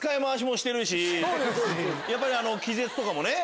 やっぱり気絶とかもね。